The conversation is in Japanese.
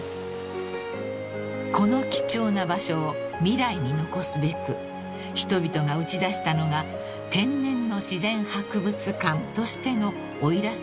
［この貴重な場所を未来に残すべく人々が打ち出したのが天然の自然博物館としての奥入瀬渓流］